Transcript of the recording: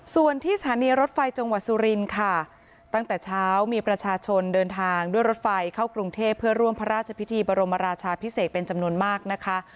ส่วนที่สถานีรถไฟจังหวัดสุรินค่ะตั้งแต่เช้ามีประชาชนเดินทางด้วยรถไฟเข้ากรุงเทพเพื่อร่วมพระราชพิธีบรมราชาพิเศษเป็นจำนวนมากนะคะ